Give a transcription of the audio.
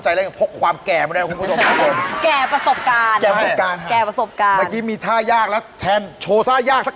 ได้ครับเพราะว่าอายุไม่ใช่ตัวเล่นนะครับ